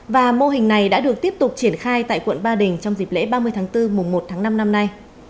và mô hình này đã được tiếp tục triển khai tại quận ba đình trong dịp lễ ba mươi tháng bốn mùa một tháng năm năm nay